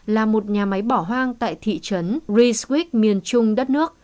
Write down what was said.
là một nhà máy bỏ hoang tại thị trấn reswick miền trung đất nước